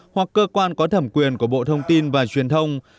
hoặc cơ quan có thẩm quyền của bộ thông tin và truyền thông